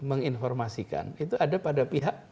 menginformasikan itu ada pada pihak